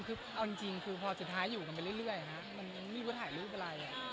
คือเอาจริงคือพอสุดท้ายอยู่กันไปเรื่อยมันยังไม่รู้ว่าถ่ายรูปอะไร